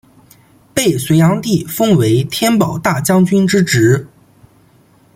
被隋炀帝封为天保大将军之职。